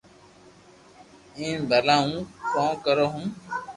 ايم ڀلا ھون ڪو ڪرو ھون